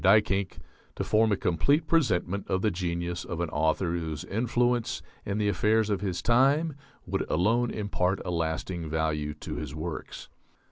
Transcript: Duyckinck to form a complete presentment of the genius of an author whose influence in the affairs of his time would alone impart a lasting value to his works."